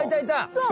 そう。